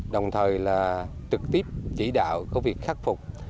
đồng thời là trực tiếp chỉ đạo cái việc khắc phục